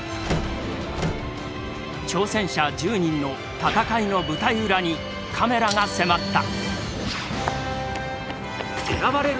挑戦者１０人の戦いの舞台裏にカメラが迫った。